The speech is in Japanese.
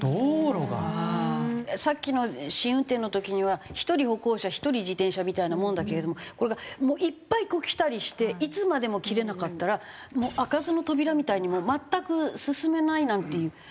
さっきの試運転の時には１人歩行者１人自転車みたいなものだけれどもこれがもういっぱい来たりしていつまでも切れなかったらもう開かずの扉みたいに全く進めないなんていう。